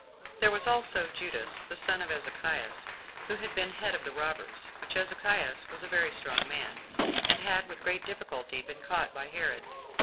5. There was also Judas, 16 the son of that Ezekias who had been head of the robbers; which Ezekias was a very strong man, and had with great difficulty been caught by Herod.